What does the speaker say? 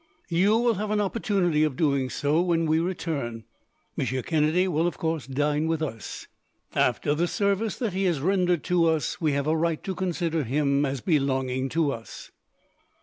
"You will have an opportunity of doing so, when we return. Monsieur Kennedy will, of course, dine with us. After the service that he has rendered to us, we have a right to consider him as belonging to us."